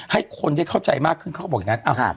ให้คนได้เข้าใจมากขึ้นเขาก็บอกอย่างนั้น